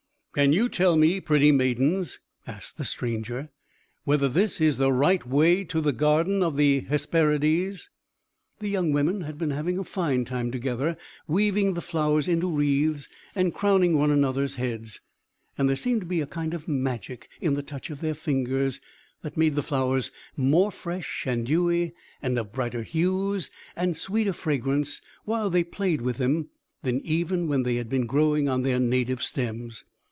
"Can you tell me, pretty maidens," asked the stranger, "whether this is the right way to the garden of the Hesperides?" The young women had been having a fine time together, weaving the flowers into wreaths, and crowning one another's heads. And there seemed to be a kind of magic in the touch of their fingers, that made the flowers more fresh and dewy, and of brighter hues, and sweeter fragrance, while they played with them, than even when they had been growing on their native stems.